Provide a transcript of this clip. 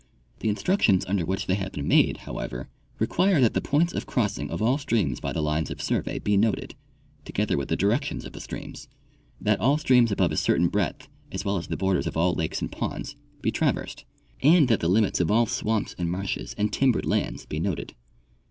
The instruc tions under which they have been made, however, require that the points of crossing of all streams by the lines of survey be noted, together with the directions of the streams ; that all streams above a certain breadth, as well as the borders of all lakes and ponds, be traversed ; and that the limits of all swamps and marshes and timbered lands be noted.